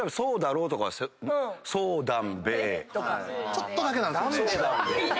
ちょっとだけなんですよね。